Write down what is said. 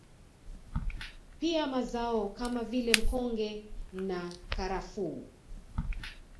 Pia mazao kama vile mkonge na karafuu